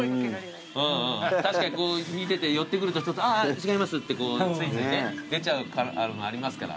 確かに見てて寄ってくると「あっ違います」ってついついね出ちゃうのありますから。